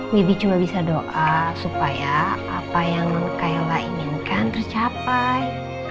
bibi cuma bisa doa supaya apa yang nen kaila inginkan tercapai